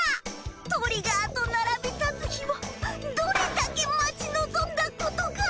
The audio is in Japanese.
トリガーと並び立つ日をどれだけ待ち望んだことか！